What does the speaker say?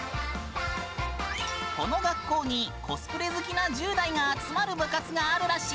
この学校にコスプレ好きな１０代が集まる部活があるらしい。